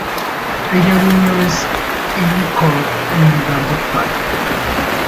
Ella abrió una vez en "Encore" en lugar de Fi.